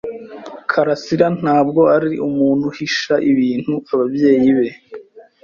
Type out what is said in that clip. karasira ntabwo ari umuntu uhisha ibintu ababyeyi be.